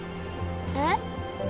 えっ？